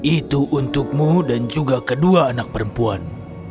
itu untukmu dan juga kedua anak perempuan